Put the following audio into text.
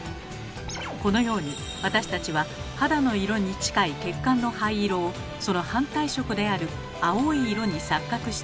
このように私たちは肌の色に近い血管の灰色をその反対色である青い色に錯覚しているのです。